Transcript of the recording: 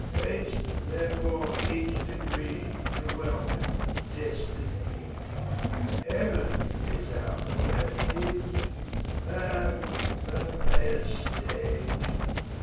35 Haste therefore each degree To welcome destiny; Heaven is our heritage, Earth but a player's stage.